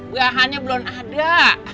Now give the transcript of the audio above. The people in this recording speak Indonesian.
buahannya belum ada